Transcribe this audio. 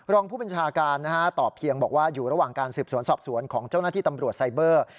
รองผู้บัญชาการนะฮะตอบเพียงบอกว่าอยู่ระหว่างการสืบสวนสอบสวนของเจ้าหน้าที่ตำรวจไซเบอร์